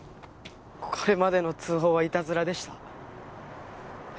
これまでの通報はいたずらでした